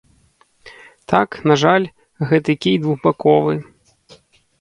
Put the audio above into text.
Так, на жаль, гэты кій двухбаковы.